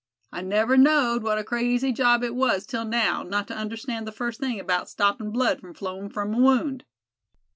I never knowed what a crazy job it was till now, not to understand the first thing 'bout stoppin' blood from flowin' from a wound."